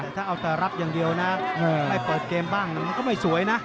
แต่ถ้าเอาแต่รับอย่างเดียวนะไม่เปิดเกมบ้างมันก็ไม่สวยนะ